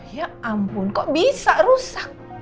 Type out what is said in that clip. ya ampun kok bisa rusak